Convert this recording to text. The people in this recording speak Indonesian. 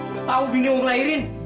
gak tahu bini mau dilahirin